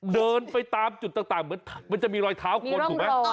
เดินไปตามจุดต่างเหมือนมันจะมีรอยเท้าคนถูกไหม